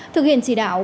thực hiện chỉ đạo